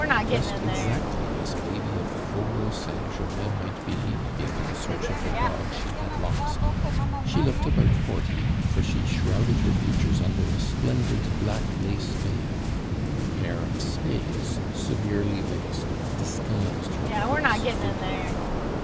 Dressed exactly as a lady of the Faubourg Saint Germain might be if in search of a dog she had lost, she looked about forty, for she shrouded her features under a splendid black lace veil. A pair of stays, severely laced, disguised her cook's figure.